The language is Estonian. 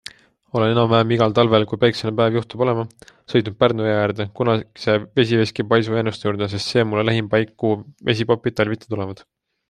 Olen enam-vähem igal talvel, kui päikseline päev juhtub olema, sõitnud Pärnu jõe äärde kunagise vesiveski paisu jäänuste juurde, sest see on mulle lähim paik, kuhu vesipapid talviti tulevad.